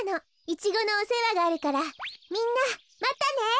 イチゴのおせわがあるからみんなまたね。